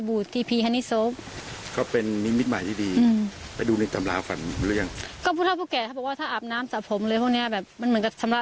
อืม